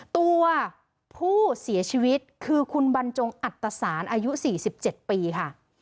ตัวผู้เสียชีวิตคือคุณบรรจงอัตตสารอายุ๔๗ปีค่ะ